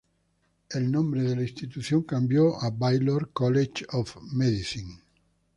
El nombre de la institución cambió a Baylor College of Medicine.